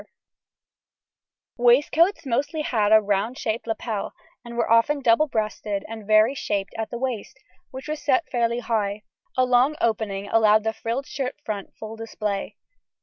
] Waistcoats mostly had a round shaped lapel, and were often double breasted and very shaped at the waist, which was set fairly high; a long opening allowed the frilled shirt front full display.